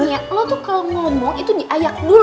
lo tuh kalau ngomong itu diayak dulu